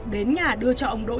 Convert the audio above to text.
đến nhà đưa cho ông đỗ hữu ca